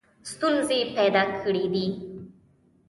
ستونزې پیدا کړي دي.